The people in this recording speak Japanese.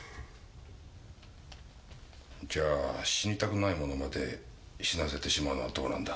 じゃあ死にたくない者まで死なせてしまうのどうなんだ？